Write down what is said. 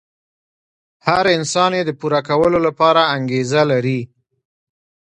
هر انسان يې د پوره کولو لپاره انګېزه لري.